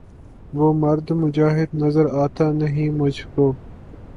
وہ مرد مجاہد نظر آتا نہیں مجھ کو